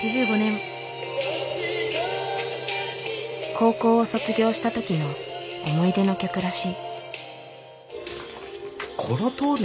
高校を卒業した時の思い出の曲らしい。